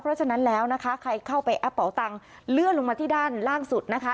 เพราะฉะนั้นแล้วนะคะใครเข้าไปแอปเป่าตังค์เลื่อนลงมาที่ด้านล่างสุดนะคะ